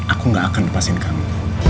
aku gak akan lepasin kamu